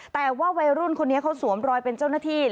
แต่ว่าวัยรุ่นคนนี้เขาสวมรอยเป็นเจ้าหน้าที่